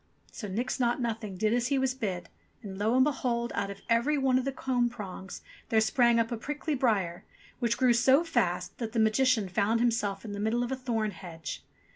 So Nix Naught Nothing did as he was bid, and lo and behold ! out of every one of the comb prongs there sprang up a prickly briar, which grew so fast that the Magician found himself in the middle of a thorn hedge